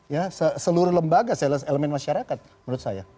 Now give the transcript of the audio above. ya seluruh lembaga elemen masyarakat menurut saya